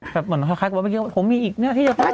เหมือนคล้ายกับว่าเมื่อกี้ผมมีอีกเนื้อที่จะเต้น